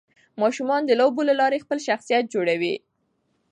ماشومان د لوبو له لارې خپل شخصيت جوړوي.